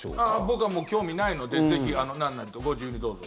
僕はもう、興味ないのでぜひなんなりとご自由にどうぞ。